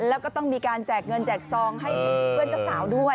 แล้วก็ต้องมีการแจกเงินแจกซองให้เพื่อนเจ้าสาวด้วย